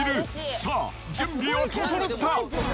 さあ、準備は整った！